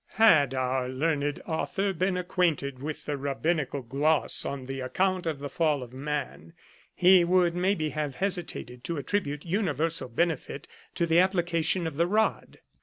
Had our learned author been acquainted with the Rabbinical gloss on the account of the Fall of Man, he would, maybe, have hesitated to attribute universal benefit to the application of the rod.